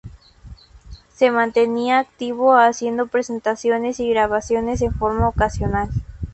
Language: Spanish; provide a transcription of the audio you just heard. Se mantenía activo haciendo presentaciones y grabaciones en forma ocasional.